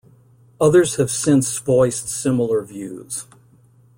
Others have since voiced similar views.